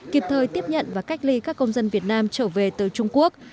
kịp thời tiếp nhận và cách ly các công dân việt nam trở về từ trung quốc